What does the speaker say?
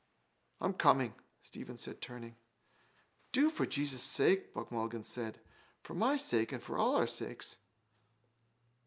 —I'm coming, Stephen said, turning. —Do, for Jesus' sake, Buck Mulligan said. For my sake and for all our sakes.